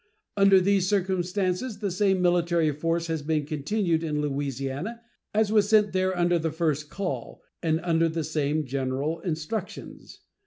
Under these circumstances the same military force has been continued in Louisiana as was sent there under the first call, and under the same general instructions.